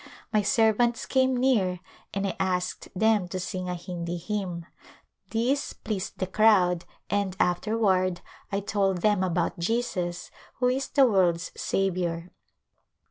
My servants came near and I asked them to sing a Hindi hymn ; this pleased the crowd and afterward I told them about Jesus who is the world's Saviour.